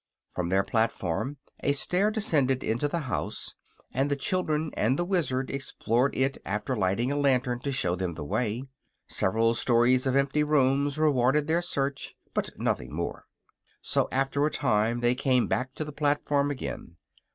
From their platform a stair descended into the house, and the children and the Wizard explored it after lighting a lantern to show them the way. Several stories of empty rooms rewarded their search, but nothing more; so after a time they came back to the platform again.